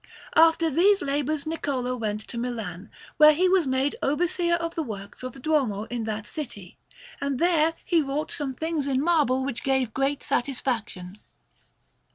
After these labours Niccolò went to Milan, where he was made Overseer of the Works of the Duomo in that city; and there he wrought some things in marble which gave great satisfaction.